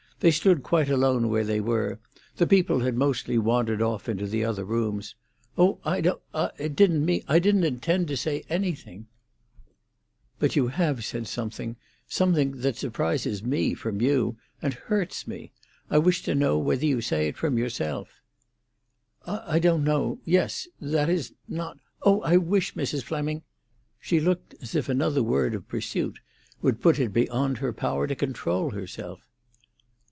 They stood quite alone where they were; the people had mostly wandered off into the other rooms. "Oh, don't—I didn't mean—I didn't intend to say anything——" "But you have said something—something that surprises me from you, and hurts me. I wish to know whether you say it from yourself." "I don't know—yes. That is, not——Oh, I wish Mrs. Fleming——" She looked as if another word of pursuit would put it beyond her power to control herself.